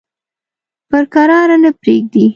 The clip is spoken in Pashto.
پر کراره نه پرېږدي.